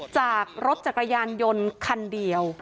จากรถจักรยานยนต์คันเดียว